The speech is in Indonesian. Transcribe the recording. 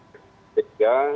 jadi saya telpon